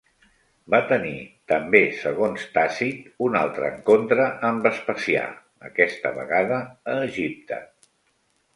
Va tenir, també segons Tàcit, un altre encontre amb Vespasià, aquesta vegada a Egipte.